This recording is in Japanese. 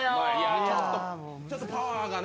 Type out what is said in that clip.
ちょっとパワーがね。